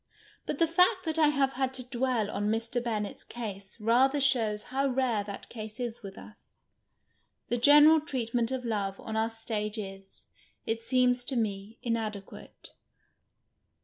IJiit the fact that I have had to dwell on Mr. Bennett's case rather shows how rare that case is with us. The general treatment of love on our ktagc is, it seems to me, inadeipiate.